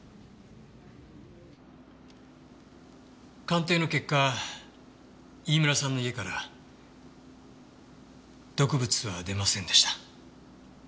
鑑定の結果飯村さんの家から毒物は出ませんでした。